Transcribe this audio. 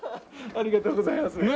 ハハハありがとうございます。